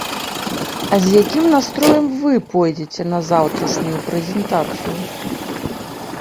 А з якім настроем вы пойдзеце на заўтрашнюю прэзентацыю?